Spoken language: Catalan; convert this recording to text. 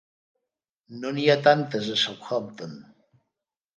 No n'hi ha tantes a Southampton!